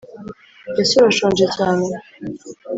ese urashonje cyane